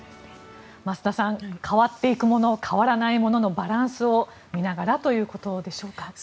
増田さん変わっていくもの変わらないもののバランスを見ながらということでしょうか。